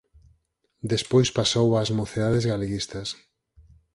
Despois pasou ás Mocedades Galeguistas.